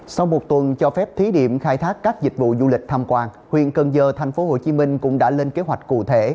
sau một tuần cho phép thí điểm khai thác các dịch vụ du lịch tham quan huyện cần giờ tp hcm cũng đã lên kế hoạch cụ thể